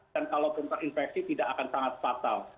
dan kalau pun terinfeksi tidak akan berhasil